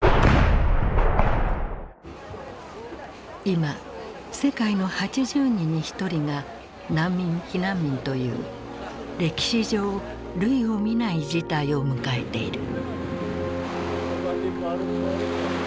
今世界の８０人に一人が難民・避難民という歴史上類を見ない事態を迎えている。